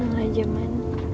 tenang aja man